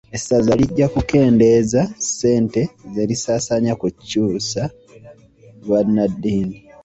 Essaza lijja kukendeeza sente zerisaasaanya ku kyusa bannaddiini.